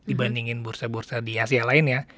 dibandingin bursa bursa di asia lain ya